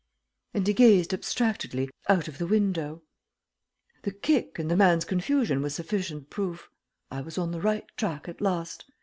And he gazed abstractedly out of the window. The kick and the man's confusion were sufficient proof. I was on the right track at last.